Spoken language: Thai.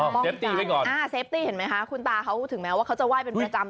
เซฟตี้เห็นไหมคะคุณตาเขาถึงแม้ว่าเขาจะไห้เป็นประจำ